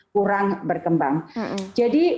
kurang berkembang jadi